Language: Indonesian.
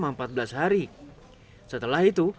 mereka kembali menjalani uji swab untuk mengetahui kondisi terbaru